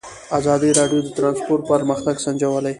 ازادي راډیو د ترانسپورټ پرمختګ سنجولی.